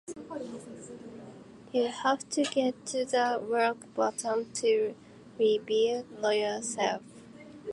You have to get to the rock bottom to rebuild yourself.